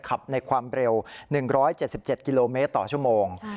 ขับในความเร็ว๑๗๗กิโลเมตรต่อชั่วโมง